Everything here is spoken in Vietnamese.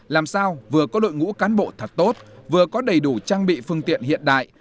làm sao vừa có đội ngũ cán bộ thật tốt vừa có đầy đủ trang bị phương tiện hiện đại